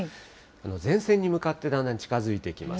前線に向かってだんだん近づいてきます。